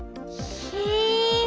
へえ！